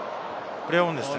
プレーオンですね。